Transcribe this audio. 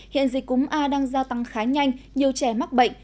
hiện dịch cúm a đang gia tăng khá nhanh nhiều trẻ mắc bệnh